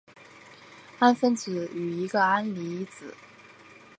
氨分子与一个氢离子配位结合就形成铵根离子。